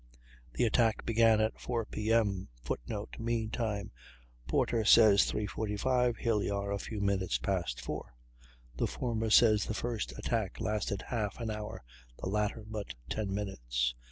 The attack began at 4 P.M. [Footnote: Mean time. Porter says 3.45; Hilyar, a few minutes past 4. The former says the first attack lasted half an hour; the latter, but 10 minutes.